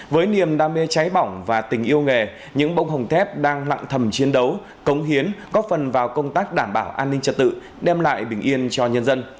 với niềm đam mê cháy bỏng và tình yêu nghề những bông hồng thép đang lặng thầm chiến đấu cống hiến góp phần vào công tác đảm bảo an ninh trật tự đem lại bình yên cho nhân dân